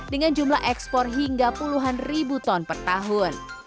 dengan jumlah ekspor hingga puluhan ribu ton per tahun